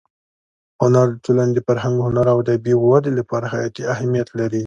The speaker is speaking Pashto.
هنر د ټولنې د فرهنګ، هنر او ادبي ودې لپاره حیاتي اهمیت لري.